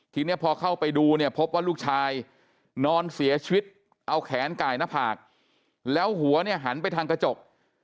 ทีนี้พอเข้าไปดูเนี่ยพบว่าลูกชายนอนเสียชีวิตเอาแขนไก่หน้าผากแล้วหัวเนี่ยหันไปทางกระจก